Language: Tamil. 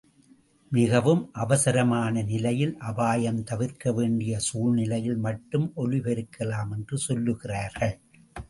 மிகவும் அவசரமான நிலையில் அபாயம் தவிர்க்க வேண்டிய சூழ்நிலையில் மட்டும் ஒலி பெருக்கலாம் என்று சொல்கிறார்கள்.